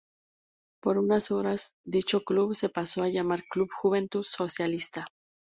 Por unas horas dicho club se pasó a llamar Club Juventud Socialista.